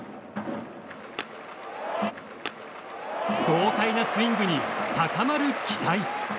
豪快なスイングに高まる期待。